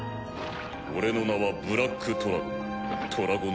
俺の名はブラックトラゴン。